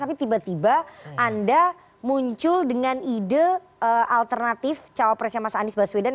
tapi tiba tiba anda muncul dengan ide alternatif cawapresnya mas anies baswedan